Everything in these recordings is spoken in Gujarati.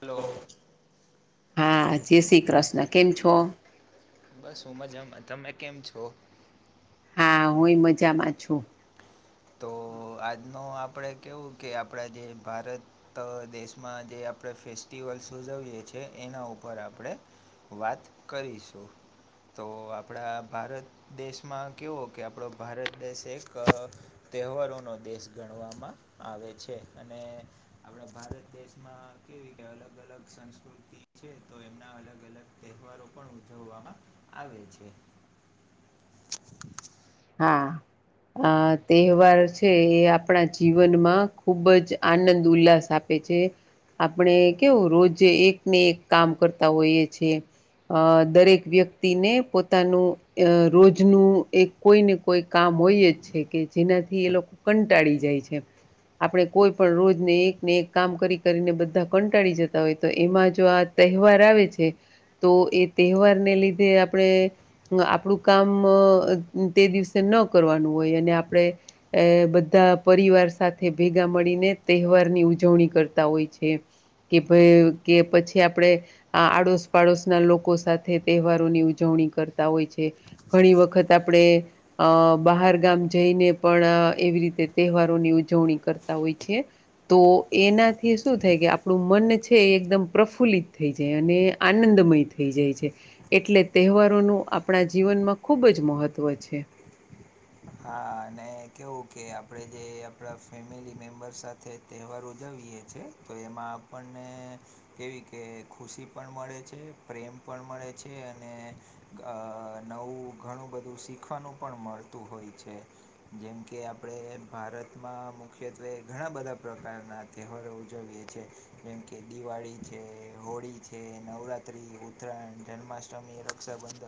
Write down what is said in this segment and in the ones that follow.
હલો. હા જય શ્રી કૃષ્ણ કેમ છો. બસ હું મજામાં તમે કેમ છો. હા હુંય મજામાં છું. તો આજનું આપણે કેવું કે આપણા જે ભારત. તો દેશમાં જે આપણે ફેસ્ટિવલ ઉજવીએ છીએ એના ઉપર આપણે. વાત કરીશું તો આપણા ભારત. દેશમાં કેવો કે આપણો ભારત દેશ એક. તહેવારોનો દેશ ગણવામાં આવે છે અને. આપણા ભારત દેશમાં કેવી કે અલગ અલગ સંસ્કૃતિ. છે તો એમના અલગ અલગ તહેવારો પણ ઉજવવામાં આવે છે. [inaudible] હા. આ તહેવાર છે એ આપણા જીવનમાં ખુબજ આનંદ ઉલ્લાસ આપે છે. આપણે કેવું રોજ એક ને એક કામ કરતા હોઈએીએ. અ દરેક વ્યક્તિને પોતાનું રોજનું એક. કોઈ ને કોઈ કામ હોયજ છે કે જેનાથી એ લોકો કંટાળી જાય છે. આપણે કોઈ પણ રોજને એક ને એક કામ કરી કરીને બધા કંટાળી જતા હોય તો એમાં જો આ. તહેવાર આવે છે. તો એ તહેવારને લીધે આપણે આપણું કામ. તે દિવસે ન કરવાનું હોય અને આપડણે. અ બધા પરિવાર સાથે ભેગા મળીને તહેવાર ની ઉજવણી કરતા હોય છે. કે ભાઈ કે પછી આપણે. આ આડોશ પાડોશના લોકો સાથે તહેવારોની ઉજવણી કરતા હોય છે ઘણી વખત. ત આપડે. અ બહાર ગામ જઈને પણ એવી રીતે તહેવારોની ઉજવણી કરતા હોય છે. તો એનાથી શું થાય કે આપણું મન છે એ એકદમ પ્રફુલ્લિત થઈ જાય અને આનંદમય થાય. થઈ જાય છે એટલે તહેવારોનું આપણા જીવનમાં ખુબજ મહત્ત્વ છે. હા અને કેવું કે આપણે જે આપણા ફેમિલી મેમ્બર સાથે. તહેવાર ઉજવીએ છ છેીએ તો એમાં આપણને. એવી કે ખુશી પણ મળે છે પ્રેમ પણ મળે છે અને. નવું ઘણું બધું શીખવાનું પણ મળતું હોય છે. જેમ કે આપણે ભારતમાં મુખ્યત્વે ઘણા બધા પ્રકારના તહેવારો ઉજવીએ છીએ. જેમ કે દિવાળી છે હોળી છે નવરાત્ર્રી ઉત્તરાયણ જન્માષ્ટમી. ક્ષબંધ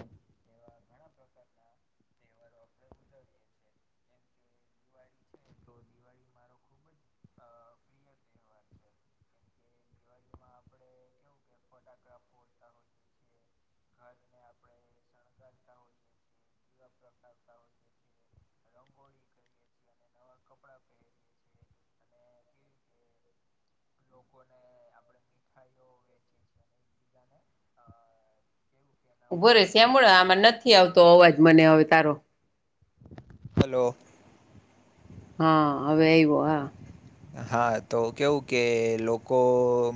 તહેવારો આપણે ઉજવીએ છીએ જેમ કે દિવાળી છે તો દિવાળી મારો ખૂબ જ અ પ્રિય તહેવાર છે કેમ કે દિવાળીમાં આપણે કેવું કે ફટાકડા ફોડતા હોઈએ છીએ ઘરને આપણે શણગારતા હોઈએ છીએ દીવા પ્રગટાવતા હોઈએ છીએ રંગોળી કરીએ છીએ અને નવા કપડાં પહેરીએ છીએ અને કેવી કે લોકોને આપણે મીઠાઈઓ વેચીએ છીએ અને એકબીજાને [inaudible] કે ભો નવા શ્યામે આમાં નથી આવતો અવાજ મને હવે તારો. હલો. હા હવે આવ્યો હા. હા તો કેવું કે લોકો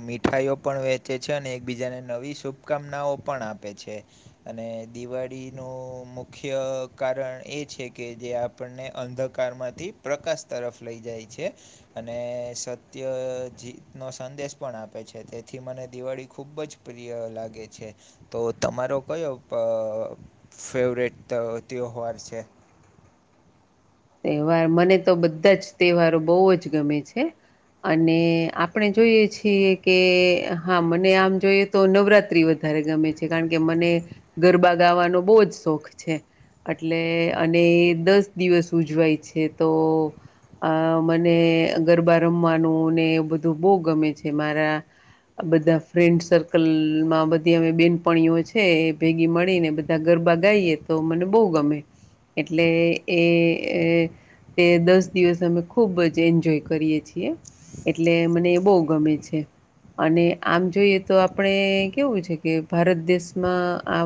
મીઠાઈઓ પણ વેચે છે અનેને એકબીજાને નવી શુપ. શુકામનાઓ પણ આપે છે. અને દિવાળીનું મુખ્ય કારણ એ છે કે જે આપ. આપણને અંધકારમાંથી પ્રકાશ તરફ લઈ જાય છે. અને સત્ય જીતનો સંદેશ પણ આપે છે તેથી મને દિવાળી ખૂબજ. પ્રિય લાગે છે. તો તમારો કયો ફેવરેટ તહેવાર છે. તહેવાર મને તો બધાજ તહેવારો બહુજ ગમે છે. અને આપણે જોઈએ છીએ કે હા મને આમ જોઈએ. તો નવરાત્રી વધારે ગમે છે કારણ કે મને ગરબા ગાવાનો બહુ જ શોખ છે. એટલે અને દસ દિવસ ઉજવાય છે તો અ મને ગરબા રમવાનું ને બધું બહુ ગમે છે મારા આ બધા ફ્રેન્ડ સર્કલમાં બધી અમે બેનપણીઓ છે ભેગી મળી નેધ ગરબ ગાઈએ તો મને બહુ ગમે એટલે એ એ તે દસ દિવસ અમે ખુબ જ એન્જોય કરીયએ છીએ એટલે મને એ બહુ ગમે છે. અને આમ જોઈએ તો આપણે કેવું છે કે ભારત દેશમાં આ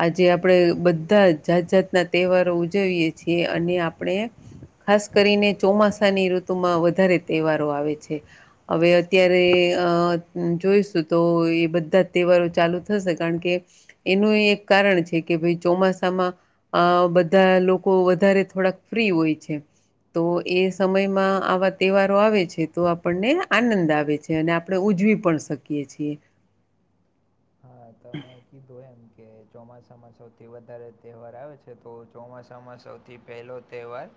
આજે આપડે બધા જાત જાતના તહેવારો ઉજવીએ છીએ અને આપ આપણે ખાસ કરીને ચોમાસાની ઋતુમાં વધારે તહેવારો આવે છે. હવે અત્યારે અ જોઈશું તો એ બધા તહેવારો ચાલુ થશે કારણ કે એનું એક કારણ છે કે ભાઈ ચોમાસામાં આ બધા લોકો વધારે થોડાક ફ્રી હોય છે. તો એ સમયમાં આવા તહેવારો આવે છે તો આપણને આનંદ આવે છે. તે અને આપણે ઉજવી પણ શકીએ છીએ હા તમે કીધો એમ કે ચોમાસામાં સૌથી વધારે ત્યોહાર આવે છે તો ચોમાસામાં સૌથી પહેલો તહેવાર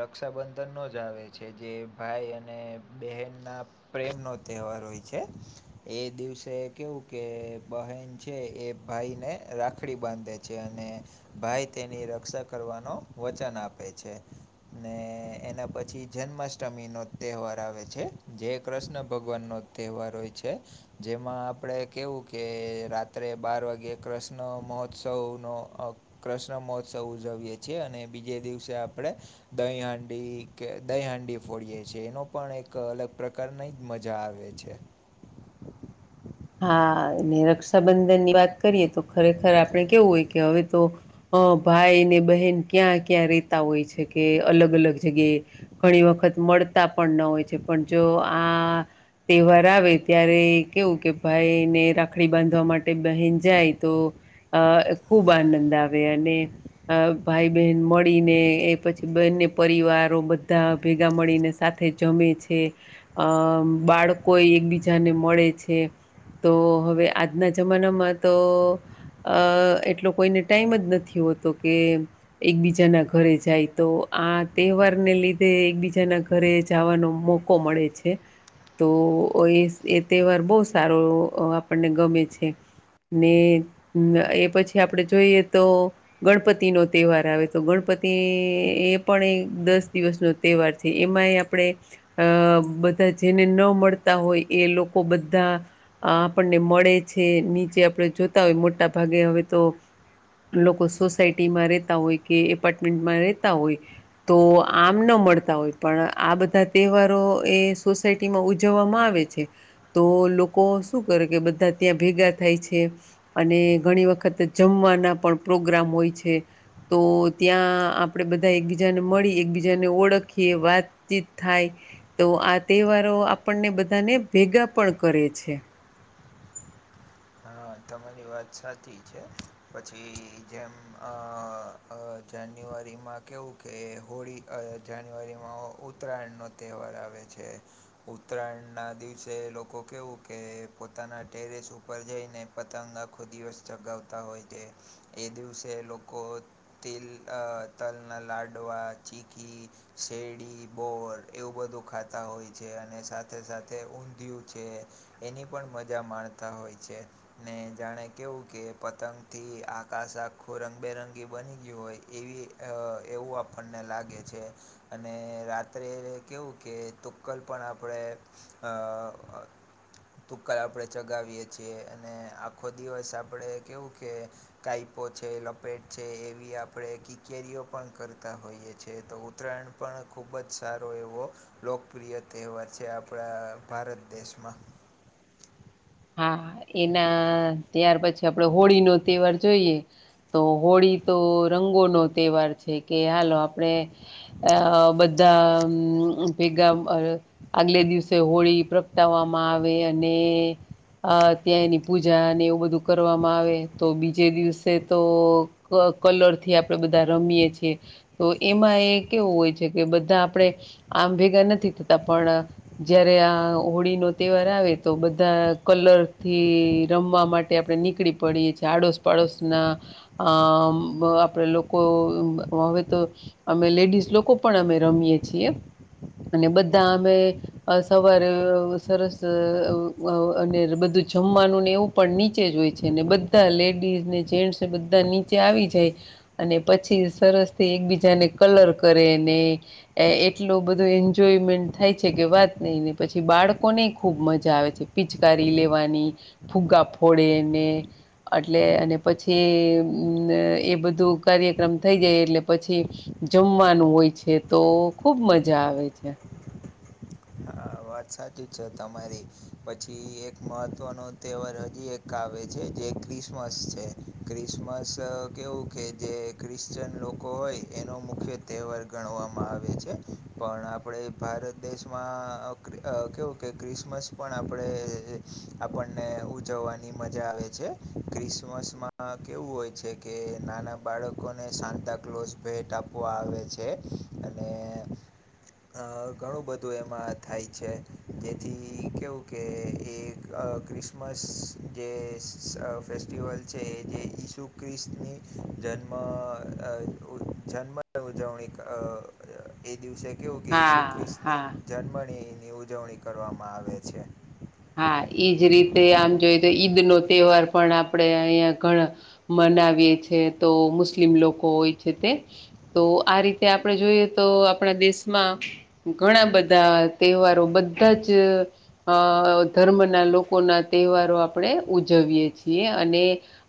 રક્ષાબંધનનો જ આવે છે જે ભાઈ અને બહેનના પ્રેમ નો ત્યોહાર હોય છે એ દિવસે કેવું કે બહેન છે એ ભાઈને રાખડી બાંધે છે અને ભાઈ તેની રક્ષા કરવાનો વચન આપે છે. ને એના પછી જન્માષ્ટમી નો ત્યોહાર આવે છે જે કૃષ્ણ ભગવાન નો ત્યોહાર હોય છે જેમાં આપણે કેવું કે રાત્રે બાર વાગે કૃષ્ણ મહોત્સવનો કૃષ્ણ મહોત્સવ ઉજવીએ છીએ અને બીજે દિવસે આપણે દહી હાંડી કે દહી હાંડી ફોડીએ છે એનો પણ એક અલગ પ્રકાર નહી મજા આવે છે. હા રક્ષાબંધન ની વાત કરીએ તો ખરેખર આપણે કેવું હોય કે હવે તો અ ભાઈ ને બહેન ક્યાં ક્યાં રેતા હોય છે કે અલગ અલગ જગ્યાએ ઘણી વખત મળતા પણ ન હોય છે પણ જો આ ત્યોહાર આવે ત્યારે કેવું કે ભાઈ ને રાખડી બાંધવા માટે બહેન જાય તો અ ખૂબ આનંદ આવે અને અ ભાઈ બહેન મળીને એ પછી બંને પરિવારો બધા ભેગા મળીને સાથે જમે છે બાળકોય એકબીજાને મળે છે. તો હવે આજના જમાનામાં તો એટલો કોઈને ટાઈમ જ નથી હોતો કે એકબીજાના ઘરે જાય તો આ તહેવાર ને લીધે એકબીજાના ઘરે જવાનો મોકો મળે છે તો એ ત્યોહાર બહુ સારો આપણને ગમે છે. ને એ પછી આપડે જોઈએ તો ગણપતિ નો તહેવાર આવે તો ગણપતિ એ પણ એક દસ દિવસનો તહેવારથી એમાંય આપણે અ બધા જેને ન મળતા હોય એ લોકો બધા આ આપણને મળે છે નીચે આપણે જોતા હોય મોટા ભાગે હવે તો લોકો સોસાયટીમાં રહેતા હોય કે એપાર્ટમેન્ટમાં રહેતા હોય તો આમ ન મળતા હોય પણ આ બધા ત્યોહારો એ સોસાયટી માં ઉજવવામાં આવે છે તો લોકો શું કરે કે બધા ત્યાં ભેગા થાય છે અને ઘણી વખત જમવાના પણ પ્રોગ્રામ હોય છે તો ત્યાં આપણેે બધા એકબીજાને મળી એકબીજાને ઓળખી એ વાત વાતચીત થાય તો આ તહેવારો આપણને બધાને ભેગા પણ કરે છે. છે. હા તમારી વાત સાચી છે પછી જેમ- જાન્યુઆરીમાં કેવું કે હોળી જાન્યુઆરીમાં ઉત્તરાયણનો- તહેવાર આવે છે. ઉત્તરાયણના દિવસે લોકો કહેવું કે પોતાના ટેરેસ ઉપર જઈને- પતંગનાખો દિવસ ચગાવતા હોય છે એ દિવસે લોકો- તેલ તલના લાડવા ચીકી- શેરડી બોર એવું બધું ખાતા હોય છે અને સાથે સાથે ઊંધિયું છે. એની પણ મજા માણતા હોય છે. ને જાણે કેવું કે પતંગથી આકાશ આખું રંગબેરંગી બની ગયું હોય. એવી એવું આપણને લાગે છે. અને રાત્રે કેવું કે તુક્કલ પણ આપણે- અ તુક્કલ આપણેે ચગાવીએ છીએ. અને આખો દિવસ આપણે કેવું કે- કાઈપો છે લપેટ છે એવી આપણે કી કેરીઓ પણ કરતા હોઈએ છે તો- ત્રણ પણ ખૂબ જ સારો એવો- લોકપ્રિય તહેવાર છે આપણા ભારત દેશમાં- હા એના ત્યાર પછી આપડે હોળી નો તહેવાર જોઈએ- તો હોળી તો રંગો નો તહેવાર છે કે હાલો આપડે- અ બધા ભેગા- આગલે દિવસે હોળી પ્રગટાવવામાં આવે અને- અ ત્યાં એની પૂજા અને એવું બધું કરવામાં આવે તો બીજે દિવસે તો- કલર થી આપડણે બધા રમીએે છીએ. તો એમાં એ કેવું હોય છે કે બધા આપણેે- આમ ભેગા નથી થતા પણ જયારે આ હોળી નો તહેવાર આવે તો બધા- કલરથી રમવા માટે આપણે નીકળી પડીએ છીએ આડોશ પાડોશના- આ આપણેે લોકો હવે તો- અમે લેડીઝ લોકો પણ અમે રમીએ છીએ- અને બધા અમે સવારે સરસ- અને બધું જમવાનું ને એવું પણ નીચે જ હોય છે ને બધા લેડીઝ ને જેન્ટ્સ બધા ચે- આવી જાય અને પછી સરસ થી એકબીજાને કલર કરેને- એ એટલોું બધો એન્જોયમેન્ટ થાય છે કે વાત નઈ ને પછી બાળકો ની ખુબ મજા આવે છે. પિચકારી લેવાની ફુગ્ગા ફોડેને- એટલે અને પછીમ એ બધું કાર્યક્રમ થઈ જાય એટલે પછી- જમવાનું હોય છે તો ખુબ મજા આવે છે. આ વાત સાચી છે, તમારી પછી એક મહત્ત્વનો તહેવાર હજી એક- કાવે છે, જે ક્રિસમસ છે ક્રિસમસ કેવું કે જે- ક્રિશ્ચન લોકો હોય એનો મુખ્ય તહેવાર ગણવામાં આવે છે પણ- આપણે ભારત દેશમાં- કવું કે ક્રિસમસ પણ આપણે આપણને ઉજવવાની મજા આવે છે. ક્રિસમસમાં કેવું હોય છે કે નાના બાળકોને સાતા કલોસ ભેટ આપ- આવે છે અને ઘણું બધું એમાં- થાય છે જેથી કેવું કે એ ક્રિસમસ- જે ફેસ્ટિવલ છે એ જે ઈસુ ખ્રિસ્તની જન્મ જન્મ ઉજવ એક એ દિવસે કેવું કે ઈસુ હા ખ્રિસ્તની હા જન્મ ણી ની ઉજવણી કરવામાં આવે છે. હા એઈજ રીતે આમ જોઈએ તો ઈદ નો તહેવાર પણ આપણે અહિયાં ઘણા - મનાવીએ છે, તો મુસ્લિમ લોકો હોય છે તે- તો આ રીતે આપણે જોઈએ, તો આપણા દેશમાં- ઘણા બધા તહેવારો બધા જ અ- ધર્મના લોકોના તહેવારો આપણે ઉજવીએ છીએ, અને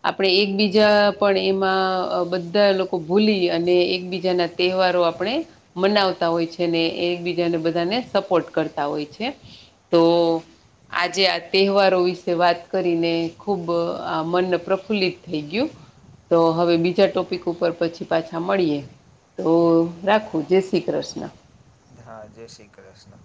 આપણે એકબીજા પણ એમાં બધા લોકો ભૂલી અને એકબીજાના તહેવારો આપણે મનાવતા હોય છે, ને એકબીજાને બધાને સપોર્ટ કરતા હોય છે, તો આજે આ તહેવારો વિશે વાત કરીને ખૂબ આ મન પ્રફુલ્લિત થઈ ગયું, તો હવે બીજા ટોપિક ઉપર પછી પાછા મળીએ. તો રાખું જય શ્રી કૃષ્ણ. હા, જય શ્રી કૃષ્ણ.